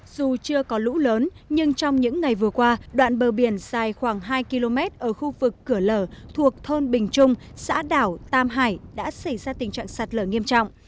dù chưa có lũ lớn nhưng trong những ngày vừa qua đoạn bờ biển dài khoảng hai km ở khu vực cửa lở thuộc thôn bình trung xã đảo tam hải đã xảy ra tình trạng sạt lở nghiêm trọng